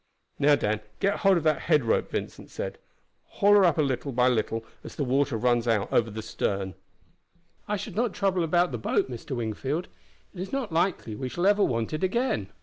"Now, Dan, get hold of that head rope," Vincent said; "haul her up little by little as the water runs out over the stern." "I should not trouble about the boat, Mr. Wingfield; it is not likely we shall ever want it again."